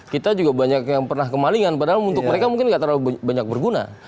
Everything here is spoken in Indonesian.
kita juga banyak yang pernah kemalingan padahal untuk mereka mungkin nggak terlalu banyak berguna